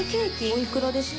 おいくらですか？